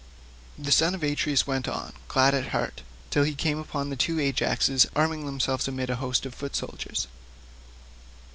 The son of Atreus went on, glad at heart, till he came upon the two Ajaxes arming themselves amid a host of foot soldiers.